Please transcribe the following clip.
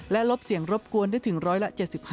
และลบเสียงรบกวนได้ถึงร้อยละ๗๕